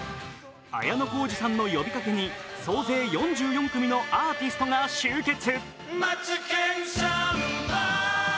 綾小路さんの呼びかけに総勢４４組のアーティストが集結。